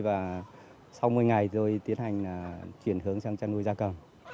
và sau một mươi ngày rồi tiến hành chuyển hướng sang chăn nuôi gia cầm